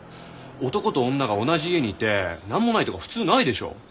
男と女が同じ家にいて何もないとか普通ないでしょ？